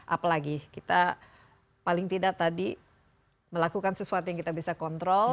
apalagi kita paling tidak tadi melakukan sesuatu yang kita bisa kontrol